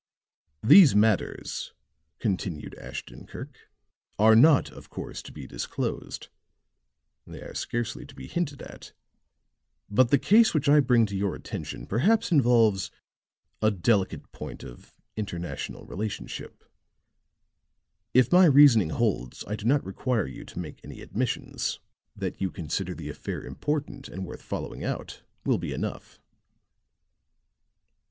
"These matters," continued Ashton Kirk, "are not, of course, to be disclosed they are scarcely to be hinted at. But the case which I bring to your attention perhaps involves a delicate point of international relationship; if my reasoning holds, I do not require you to make any admissions. That you consider the affair important and worth following out will be enough."